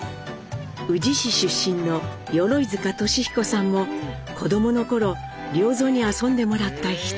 宇治市出身の鎧塚俊彦さんも子どもの頃良三に遊んでもらった一人。